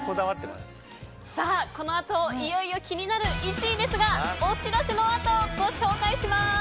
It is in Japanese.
このあと、いよいよ気になる第１位ですがお知らせのあとご紹介します。